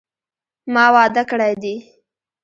ما واده کړی دي